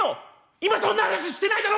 「今そんな話してないだろ！」。